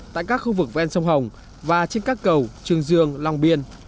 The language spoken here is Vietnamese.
tại các khu vực ven sông hồng và trên các cầu trường dương long biên